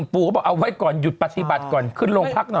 ปู่ก็บอกเอาไว้ก่อนหยุดปฏิบัติก่อนขึ้นโรงพักหน่อย